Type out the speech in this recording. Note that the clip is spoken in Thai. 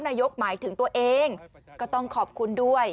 นายกหมายถึงตัวเองก็ต้องขอบคุณด้วย